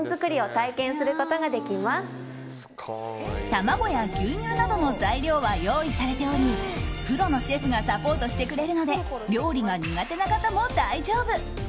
卵や牛乳などの材料は用意されておりプロのシェフがサポートしてくれるので料理が苦手な方も大丈夫。